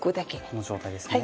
この状態ですね。